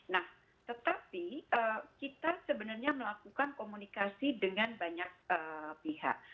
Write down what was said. nah tetapi kita sebenarnya melakukan komunikasi dengan banyak pihak